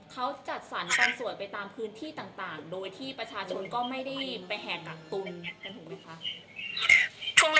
เขาจัดสรรการสวดไปตามพื้นที่ต่างโดยที่ประชาชนก็ไม่ได้ไปแห่กักตุนกันถูกไหมคะ